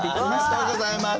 ありがとうございます！